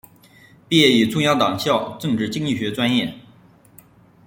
毕业于中央党校政治经济学专业。